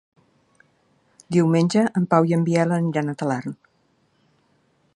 Diumenge en Pau i en Biel aniran a Talarn.